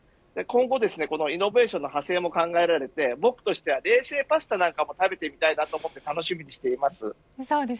今後イノベーションの派生も考えられて僕としては冷製パスタなんかも食べてみたいと思って楽しみにしています。